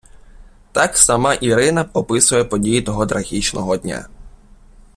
Так сама Ірина описує події того трагічного дня.